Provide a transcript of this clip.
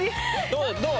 どう？